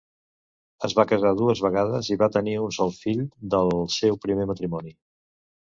Es va casar dues vegades i va tenir un sol fill del seu primer matrimoni.